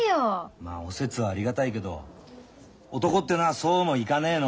まあお説はありがたいけど男ってのはそうもいかねえの。